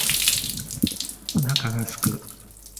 お腹が空く